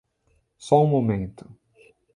Só um momento